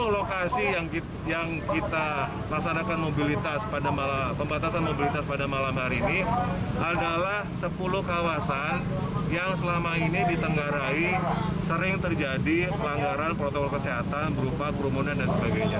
satu lokasi yang kita laksanakan mobilitas pada pembatasan mobilitas pada malam hari ini adalah sepuluh kawasan yang selama ini ditenggarai sering terjadi pelanggaran protokol kesehatan berupa kerumunan dan sebagainya